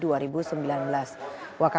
wakap polda metro jaya